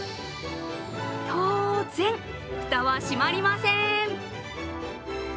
当然、フタは閉まりません。